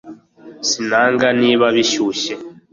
sinanga niba bishyushye